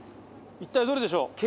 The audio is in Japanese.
一体どれでしょう？